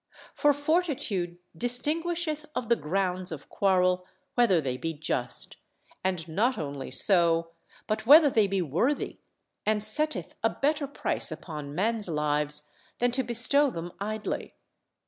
For fortitude distinguisheth of the grounds of quarrel whether they be just; and not only so, but whether they be worthy, and setteth a better price upon men's lives than to bestow them idly.